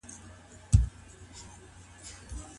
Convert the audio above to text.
ملتونه به د بې عدالتۍ مخنیوی کوي.